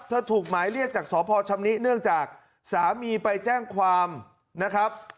ถูกหมายเรียกจากสพชำนิเนื่องจากสามีไปแจ้งความนะครับ